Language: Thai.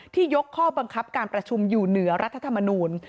ยกข้อบังคับการประชุมอยู่เหนือรัฐธรรมนูล